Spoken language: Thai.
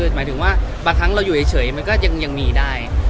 หมายถึงว่าบางครั้งเราอยู่เฉยมันก็ยังมีได้